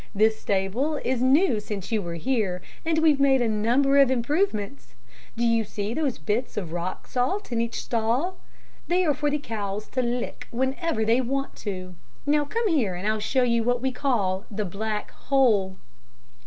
This stable is new since you were here, and we've made a number of improvements. Do you see those bits of rock salt in each stall? They are for the cows to lick whenever they want to. Now, come here, and I'll show you what we call 'The Black Hole.'"